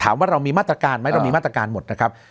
ว่าเรามีมาตรการไหมเรามีมาตรการหมดนะครับ